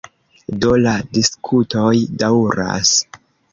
Do la diskutoj daŭras.